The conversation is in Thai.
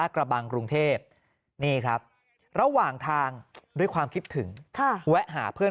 กระบังกรุงเทพนี่ครับระหว่างทางด้วยความคิดถึงแวะหาเพื่อน